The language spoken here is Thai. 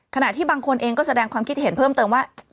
ขณะที่บางคนเองก็แสดงความคิดเห็นเพิ่มเติมว่า